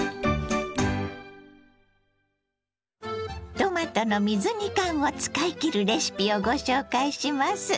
トマトの水煮缶を使いきるレシピをご紹介します。